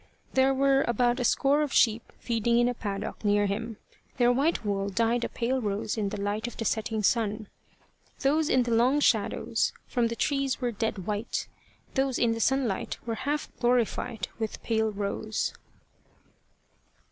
There were about a score of sheep feeding in a paddock near him, their white wool dyed a pale rose in the light of the setting sun. Those in the long shadows from the trees were dead white; those in the sunlight were half glorified with pale rose.